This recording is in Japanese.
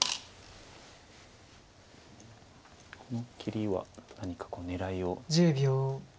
この切りは何か狙いを。